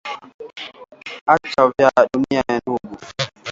Acha vya dunia ndugu.